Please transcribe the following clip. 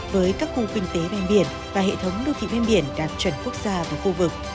với các khu kinh tế bên biển và hệ thống đô thị ven biển đạt chuẩn quốc gia và khu vực